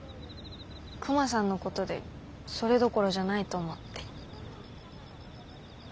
クマさんのことでそれどころじゃないと思って。